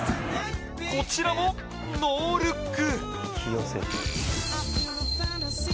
こちらもノールック